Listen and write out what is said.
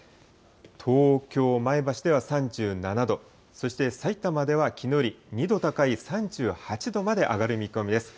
東京、前橋では３７度、そしてさいたまではきのうより２度高い３８度まで上がる見込みです。